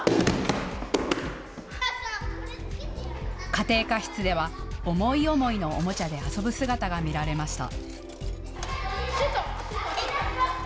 家庭科室では思い思いのおもちゃで遊ぶ姿が見られました。